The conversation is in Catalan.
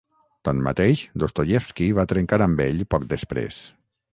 Tanmateix, Dostoievski va trencar amb ell poc després.